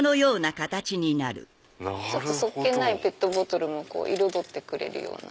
素っ気ないペットボトルも彩ってくれるような。